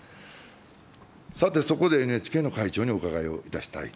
さて、そこでＮＨＫの会長にお伺いをいたしたい。